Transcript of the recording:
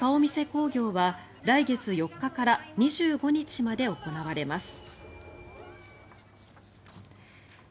興行は来月４日から２５日まで行われます。